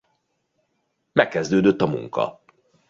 Megkezdődött a munka.